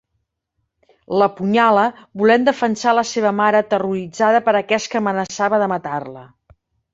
L'apunyala, volent defensar la seva mare terroritzada per aquest que amenaçava de matar-la.